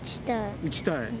打ちたい。